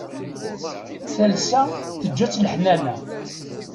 Talsa teǧǧa-tt leḥnana.